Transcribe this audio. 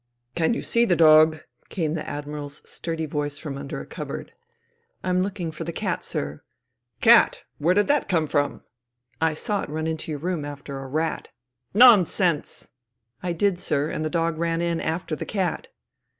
" Can you see the dog ?" came the Admiral's sturdy voice from under a cupboard. " I*m looking for the cat, sir." " Cat ! Where did that come from ?"" I saw it run into your room after a rat." " Nonsense !"<" I did, sir, and the dog ran in after the cat."